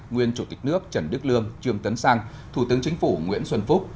nguyên chủ tịch nước trần đức lương trương tấn sang thủ tướng chính phủ nguyễn xuân phúc